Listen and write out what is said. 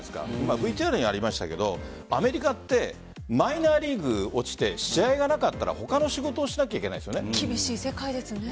ＶＴＲにありましたけどアメリカってマイナーリーグ落ちて試合がなかったら他の仕事を厳しい世界ですね。